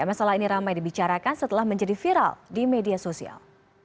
masalah ini ramai dibicarakan setelah menjadi viral di media sosial